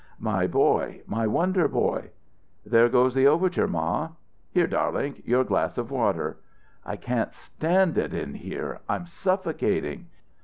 "My boy my wonder boy!" "There goes the overture, ma." "Here, darlink your glass of water." "I can't stand it in here; I'm suffocating!"